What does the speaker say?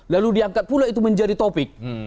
lalu diangkat pula itu menjadi topik